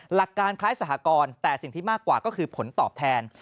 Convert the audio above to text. หลักการคล้ายสหกรณ์แต่สิ่งที่มากกว่าก็คือผลตอบแทน